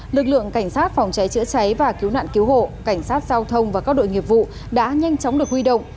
lực lượng cảnh sát phòng cháy chữa cháy và cứu nạn cứu hộ cảnh sát giao thông và các đội nghiệp vụ đã nhanh chóng được huy động